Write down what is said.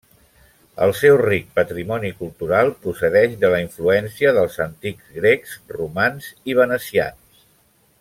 El seu ric patrimoni cultural procedeix de la influència dels antics grecs, romans i venecians.